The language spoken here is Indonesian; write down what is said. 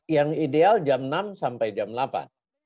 jangan sampai berjalan ke tempat yang tidak terlalu baik